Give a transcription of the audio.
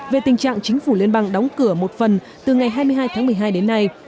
về tình trạng chính phủ liên bang đóng cửa một phần từ ngày hai mươi hai tháng một mươi hai đến nay